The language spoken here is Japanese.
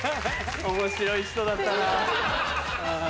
面白い人だったな。